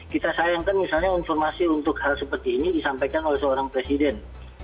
kita sayangkan misalnya informasi untuk hal seperti ini disampaikan oleh seorang presiden